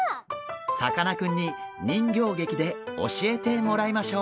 さかなクンに人形劇で教えてもらいましょう。